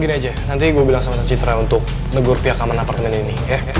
gini aja nanti gue bilang sama citra untuk negur pihak aman apartemen ini